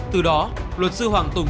từ đó luật sư hoàng tùng